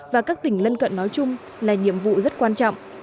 và các tỉnh lân cận nói chung là nhiệm vụ rất quan trọng